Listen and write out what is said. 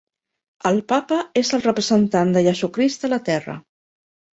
El papa és el representant de Jesucrist a la Terra.